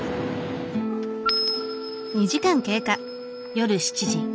夜７時。